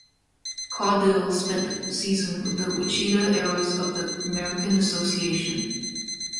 Caudill spent the season with the Wichita Aeros of the American Association.